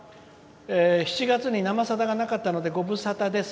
７月に「生さだ」がなかったのでご無沙汰です。